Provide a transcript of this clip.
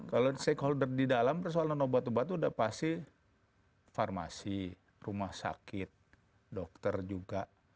kalau stakeholder di dalam persoalan obat obat itu sudah pasti farmasi rumah sakit dokter juga